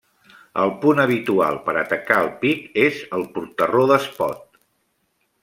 El punt habitual per atacar el pic és el Portarró d'Espot.